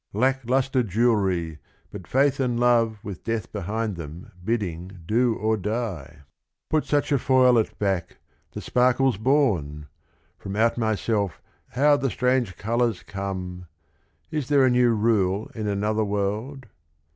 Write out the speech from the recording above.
Lack lustre jewelry, but faith and love With death behind them bidding do or die — GUIDO 191 Put such a foil at back, the sparkle 's born I From out myself how the strange colours come 1 Is there a new rule in another world?